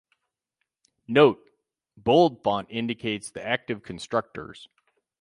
"Note:" Bold font indicates the active constructors.